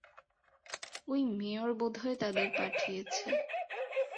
ওই মেয়র বোধহয় তাদের পাঠিয়েছে!